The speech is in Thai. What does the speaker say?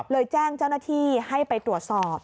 แจ้งเจ้าหน้าที่ให้ไปตรวจสอบ